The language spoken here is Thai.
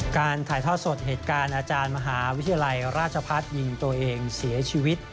การถ่ายทอดสดเหตุการณ์อาจารย์มหาวิทยาลัยราชพัฒน์ยิงตัวเองเสียชีวิต